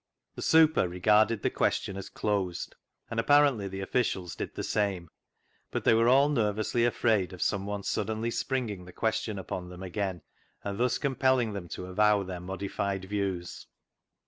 The "super" regarded the question as closed, and apparently the officials did the same, but they were all nervously afraid of some one suddenly springing the question upon them again, and thus compelling them to avow their modified views.